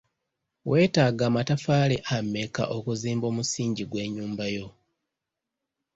Weetaaga amataffaali ameka okuzimba omusingi gw'ennyumba yo?